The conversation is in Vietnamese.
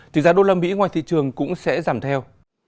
tỷ giá đô la mỹ ngoài thị trường cũng sẽ giảm theo